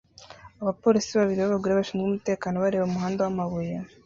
Abapolisi babiri b'abagore bashinzwe umutekano bareba umuhanda wamabuye